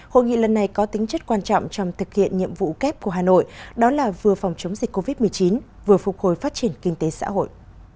hội nghị lần này có tính chất quan trọng trong thực hiện nhiệm vụ kép của hà nội đó là vừa phòng chống dịch covid một mươi chín vừa phục hồi phát triển kinh tế xã hội